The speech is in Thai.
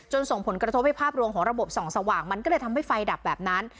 ส่งผลกระทบให้ภาพรวมของระบบส่องสว่างมันก็เลยทำให้ไฟดับแบบนั้น